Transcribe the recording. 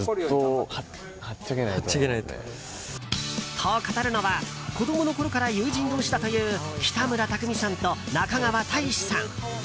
と語るのは子供のころから友人同士だという北村匠海さんと中川大志さん。